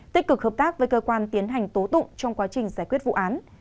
tích cực hợp tác với cơ quan tiến hành tố tụng trong quá trình giải quyết vụ án